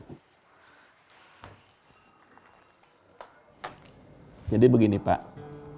kita sudah melakukan pemeriksaan terhadap pak gopang